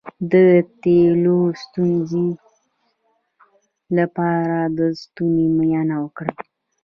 د تیرولو د ستونزې لپاره د ستوني معاینه وکړئ